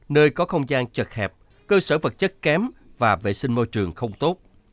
nơi có không gian chật hẹp cơ sở vật chất kém và vệ sinh môi trường không tốt